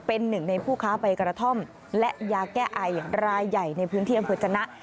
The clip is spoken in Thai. เป็นหนึ่งในผู้ค้าใบกระท่อมและยาแก้ไอรายใหญ่ในพื้นที่อำเภอจนะ